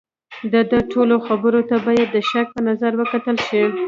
د ده ټولو خبرو ته باید د شک په نظر وکتل شي.